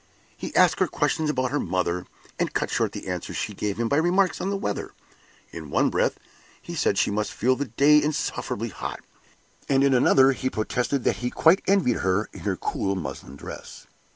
He asked her questions about her mother, and cut short the answers she gave him by remarks on the weather. In one breath, he said she must feel the day insufferably hot, and in another he protested that he quite envied her in her cool muslin dress.